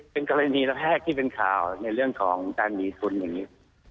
เป็นกรณีแรกที่เป็นข่าวในเรื่องของการหนีทุนอย่างนี้